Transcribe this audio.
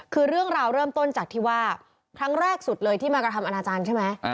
คือเรื่องราวเริ่มต้นจากที่ว่าครั้งแรกสุดเลยที่มากระทำอนาจารย์ใช่ไหม